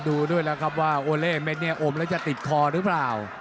ดูด้วยแล้วครับว่าโอเล่เม็ดเนี่ยอมแล้วจะติดคอหรือเปล่า